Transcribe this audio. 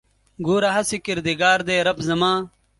ګوره هسې کردګار دی رب زما